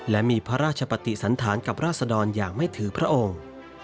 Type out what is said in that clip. และมีพระราชปฏิสันธารกับราศดรอย่างไม่ถือพระองค์